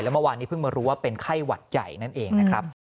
เมื่อวานนี้เพิ่งมารู้ว่าเป็นไข้หวัดใหญ่นั่นเองนะครับ